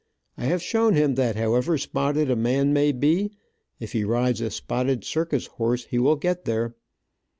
I have shown him that however spotted a man may be, if he rides a spotted circus horse, he will get there.